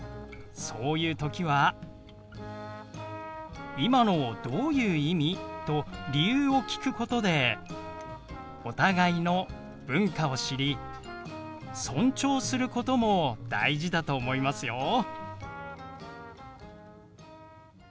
そういう時は「今のどういう意味？」と理由を聞くことでお互いの文化を知り尊重することも大事だと思いますよ。